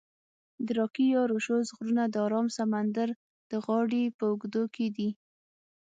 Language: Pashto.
د راکي یا روشوز غرونه د آرام سمندر د غاړي په اوږدو کې دي.